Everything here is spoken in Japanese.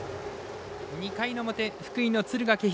２回の表、福井の敦賀気比。